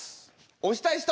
押したい人！